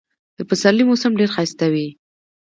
د پسرلي موسم ډېر ښایسته وي.